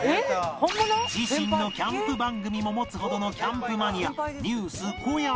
自身のキャンプ番組も持つほどのキャンプマニア